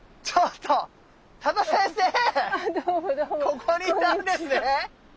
ここにいたんですね！